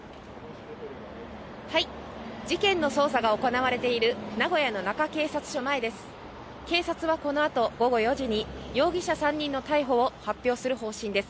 事件の捜査が行われている名古屋の中警察署前です。